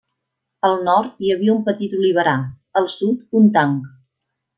Al nord hi havia un petit oliverar, al sud un tanc.